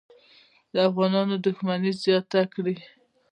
د افغانانو دښمني زیاته کړي.